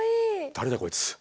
誰だこいつ。